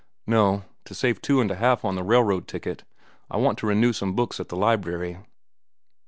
"No; to save two and a half on the railroad ticket. I want to renew some books at the library."